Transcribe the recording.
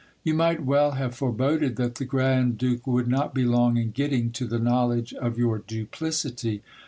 You might well have foreboded that the grand duke would not be long in getting to the knowledge of your duplicity.